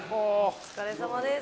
お疲れさまです。